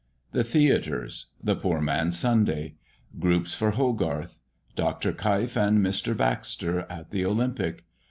THE THEATRES. THE POOR MAN'S SUNDAY. GROUPS FOR HOGARTH. DR. KEIF AND MR. BAXTER AT THE OLYMPIC.